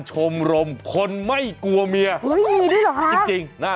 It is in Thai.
ใช้เมียได้ตลอด